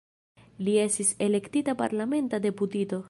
Li estis elektita parlamenta deputito.